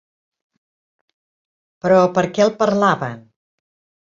Però per què el parlaven?